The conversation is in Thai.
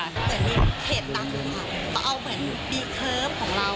จนทีเขตตั้มเอาเป็นบีเคิร์ฟของเรา